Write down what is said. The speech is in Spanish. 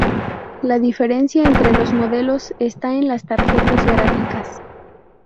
La diferencia entre los modelos está en las tarjetas gráficas.